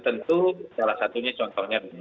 tentu salah satunya contohnya